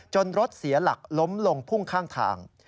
รถเสียหลักล้มลงพุ่งข้างทาง